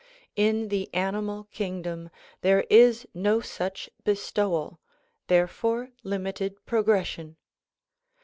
In the animal kingdom there is no such bestowal; therefore limited progression.